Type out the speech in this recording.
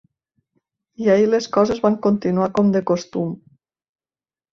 I ahir les coses van continuar com de costum.